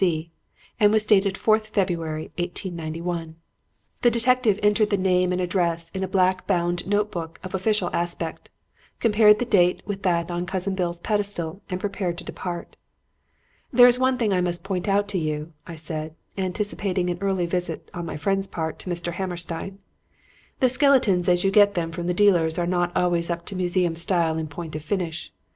C.,' and was dated 4th February, 1891. "The detective entered the name and address in a black bound note book of official aspect, compared the date with that on Cousin Bill's pedestal and prepared to depart. "'There is one thing I must point out to you,' I said, anticipating an early visit on my friend's part to Mr. Hammerstein; 'the skeletons as you get them from the dealers are not always up to museum style in point of finish.